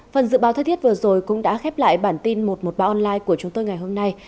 phần dự báo thời tiết vừa rồi cũng đã khép lại bản tin một trăm một mươi ba online của chúng tôi ngày hôm nay